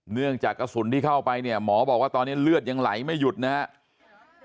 เนื่องจากกระสุนที่เข้าไปเนี่ยหมอบอกว่าตอนนี้เลือดยังไหลไม่หยุดนะครับ